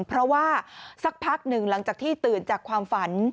เพราะว่าสักพักหนึ่งหลังจากที่ตื่นจากความฝัน